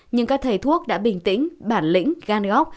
nhưng các thầy thuốc đã bình tĩnh bản lĩnh gan óc